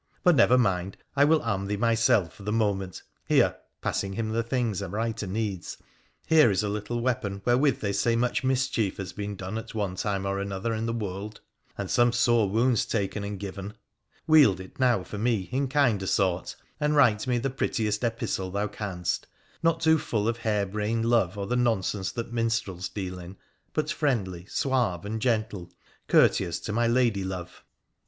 But, never mind, I will arm thee myself for the moment. Here '—■ passing him the things a writer needs —' here is a little weapon wherewith they say much mischief has been done at one time or another in the world, and some sore wounds taken and given ; wield it now for me in kinder sort, and write me the prettiest epistle thou canst — not too full of harebrained love or the nonsense that minstrels deal in — but friendly, suave, and gentle, courteous to my lady love